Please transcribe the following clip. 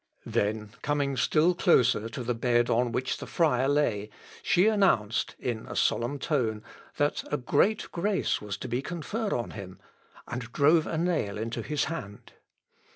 Then coming still closer to the bed on which the friar lay, she announced, in a solemn tone, that a great grace was to be conferred on him, and drove a nail into his hand.